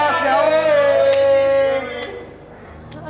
gak ada apa apa